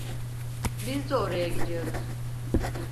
Biz de oraya gidiyoruz.